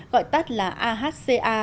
gọi tắt là ahca